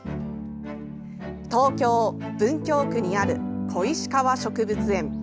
東京・文京区にある小石川植物園。